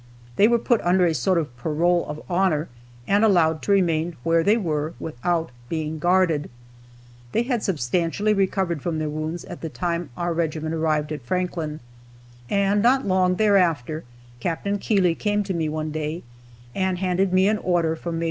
They were put under a sort of parole of honor, and allowed to remain where they were, without being guarded. They had substantially recovered from their wounds at the time our regiment arrived at Franklin, and not long thereafter Capt. Keeley came to me one day, and handed me an order from Maj.